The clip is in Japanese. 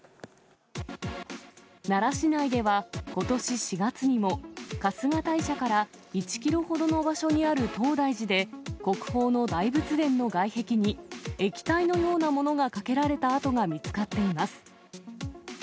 奈良市内では、ことし４月にも、春日大社から１キロほどの場所にある東大寺で、国宝の大仏殿の外壁に液体のようなものがかけられた跡が見つかっています。